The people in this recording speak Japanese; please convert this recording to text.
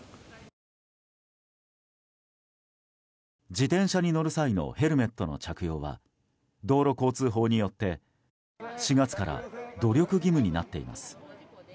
自転車に乗る際のヘルメットの着用は道路交通法によって、４月から努力義務になっています。